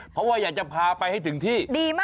เพราะว่าอยากจะพาไปให้ถึงที่ดีมาก